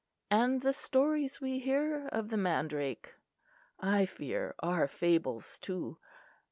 "And the stories we hear of the mandrake, I fear, are fables, too.